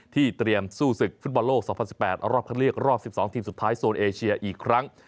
เตรียมสู้ศึกฟุตบอลโลก๒๐๑๘รอบคัดเลือกรอบ๑๒ทีมสุดท้ายโซนเอเชียอีกครั้ง